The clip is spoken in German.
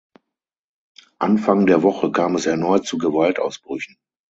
Anfang der Woche kam es erneut zu Gewaltausbrüchen.